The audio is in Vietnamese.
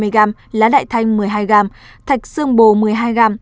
tỏi ba mươi g lá đại thanh một mươi hai g thạch xương bồ một mươi hai g